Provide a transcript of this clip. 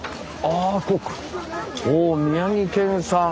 おお宮城県産。